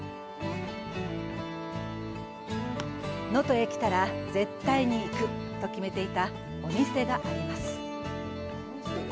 能登へ来たら絶対に行く！と決めていたお店があります。